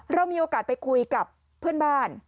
เรามีโอกาสไปคุยกับเพื่อนบ้าน